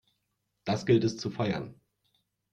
Das gilt es zu feiern!